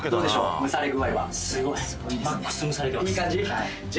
蒸され具合はすごいいい感じ？